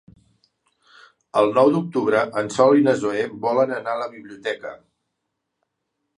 El nou d'octubre en Sol i na Zoè volen anar a la biblioteca.